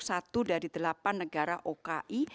satu dari delapan negara oki